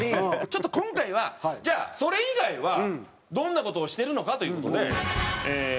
ちょっと今回はじゃあそれ以外はどんな事をしてるのかという事で。